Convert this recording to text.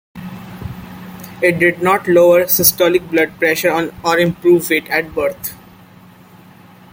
It did not lower systolic blood pressure or improve weight at birth.